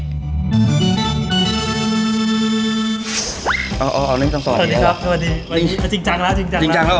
อ๋ออ๋อนั่งต่อสวัสดีครับสวัสดีวันนี้จริงจังแล้วจริงจังแล้ว